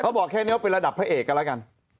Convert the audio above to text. บอกแค่นี้ว่าเป็นระดับพระเอกกันแล้วกัน